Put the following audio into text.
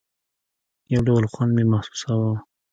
يو ډول خوند مې محسوساوه.